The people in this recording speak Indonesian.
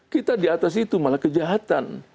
kita di atas itu malah kejahatan